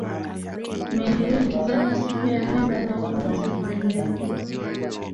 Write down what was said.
meli hiyo ilizama siku ya nne baada ya kuanza safari yake